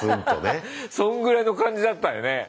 そんぐらいの感じだったよね。